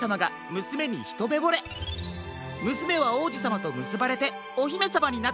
むすめはおうじさまとむすばれておひめさまになったそうです。